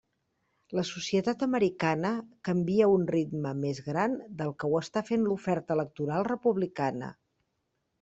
La societat americana canvia a un ritme més gran del que ho està fent l'oferta electoral republicana.